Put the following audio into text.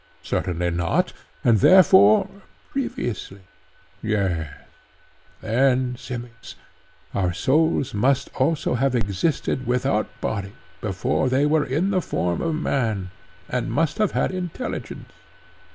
Certainly not. And therefore, previously? Yes. Then, Simmias, our souls must also have existed without bodies before they were in the form of man, and must have had intelligence.